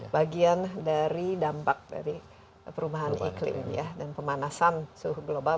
bagian dari dampak dari perubahan iklim dan pemanasan suhu global